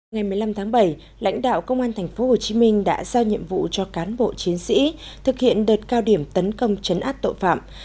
ngày một mươi năm tháng bảy lãnh đạo công an tp hcm đã giao nhiệm vụ cho cán bộ chiến sĩ thực hiện đợt cao điểm tấn công chấn áp tội phạm